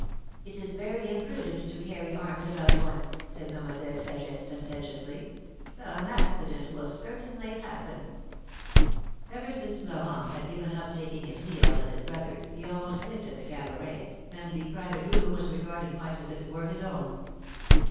It is very imprudent to carry arms about one," said Mademoiselle Saget, sententiously. '^Some accident will certainly happen I " THE MARKETS OF PARIS. 257 Ever since Florent had given up taking his meals at his brother's he almost lived at the Cabaret, and the private room Avas regarded much as if it were his own.